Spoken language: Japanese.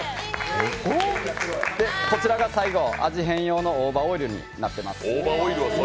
こちらが最後、味変用の大葉オイルになっています。